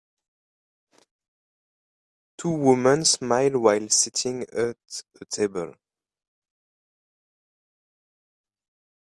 Two women smile while sitting at a table